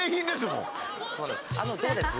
あのどうです？